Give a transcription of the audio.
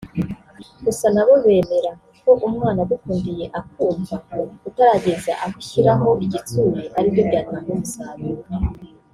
Gusa nabo bemera ko umwana agukundiye akumva utarageza aho ushyiraho igitsure ari byo byatanga umusaruro